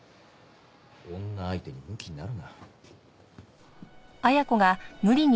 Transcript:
女相手にむきになるな。